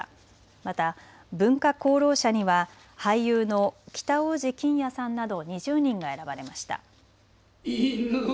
また文化功労者には俳優の北大路欣也さんなど２０人が選ばれました。